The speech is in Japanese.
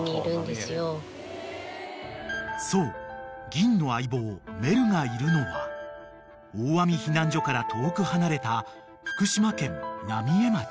［そうぎんの相棒メルがいるのはおーあみ避難所から遠く離れた福島県浪江町］